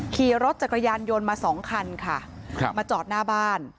ขี่รถจักรยานยนต์มาสองคันค่ะมาจอดหน้าบ้าน